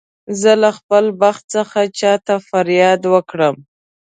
زه له خپل بخت څخه چا ته فریاد وکړم.